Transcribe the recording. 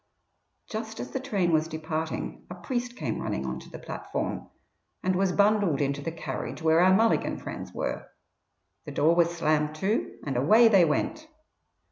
Just as the train was departing a priest came running on to the platform, and was bundled into the carriage where our Mulligan friends were; the door was slammed to, and away they went.